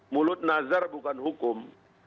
mulut nazar bukan hukum